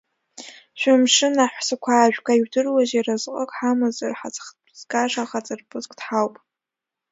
Шәымԥшын, аҳәсақәа аажәга, ижәдыруазеи разҟык ҳамазар, ҳацхтәы згаша хаҵарԥыск дҳауп.